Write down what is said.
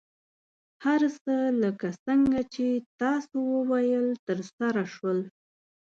هر څه لکه څنګه چې تاسو وویل، ترسره شول.